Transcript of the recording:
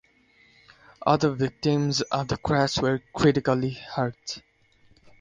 Other victims of the crash were critically hurt.